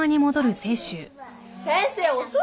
先生遅いよ。